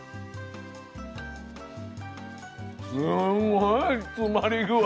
すんごい詰まり具合。